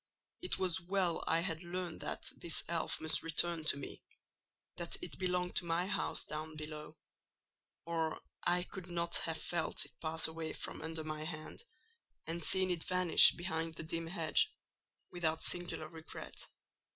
It was well I had learnt that this elf must return to me—that it belonged to my house down below—or I could not have felt it pass away from under my hand, and seen it vanish behind the dim hedge, without singular regret.